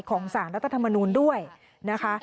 สารรัฐธรรมนูลด้วยนะคะ